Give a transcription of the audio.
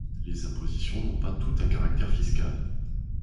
Les impositions n’ont pas toutes un caractère fiscal.